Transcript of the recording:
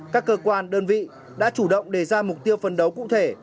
các cơ quan đơn vị đã chủ động đề ra mục tiêu phấn đấu cụ thể